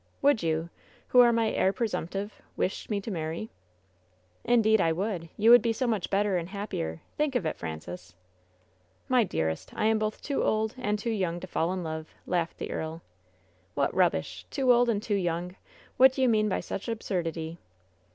"Would you, who are my heir presumptive, wish me to marry?" "Indeed, I would! You would be so much better and happier! Think of it, Francis!" "My dearest, I am both too old and too young to fall in love!" laughed the earl. "What rubbish! Too old and too young!' What do you mean by such absurdity?"